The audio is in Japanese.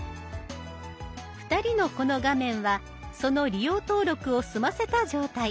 ２人のこの画面はその利用登録を済ませた状態。